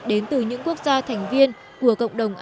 đến từ những quốc gia thành viên của cộng đồng asean